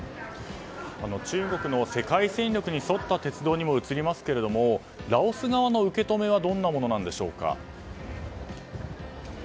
中国の世界戦力に沿った鉄道にも映りますけれどもラオス側の受け止めはどんなものなんでしょうか？